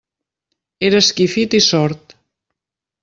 Era esquifit i sord.